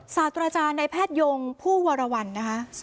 ศาสตราจารย์ในแพทยงผู้วรวรรณนะคะ